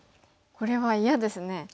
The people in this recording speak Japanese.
これは嫌ですね。